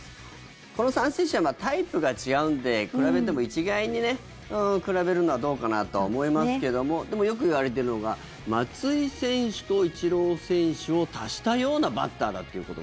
この３選手はタイプが違うんで比べても一概にね比べるのはどうかなとは思いますけどもでも、よくいわれてるのが松井選手とイチロー選手を足したようなバッターだっていうこと。